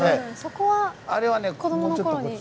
あれはねもうちょっとこっち。